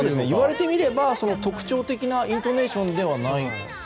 言われてみれば、特徴的なイントネーションではない。